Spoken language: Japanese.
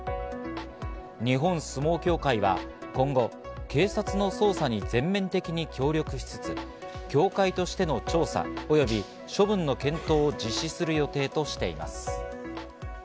日本相撲協会は今後、警察の捜査に全面的に協力しつつ協会としての調査及び処分の検討を実施する予定としています。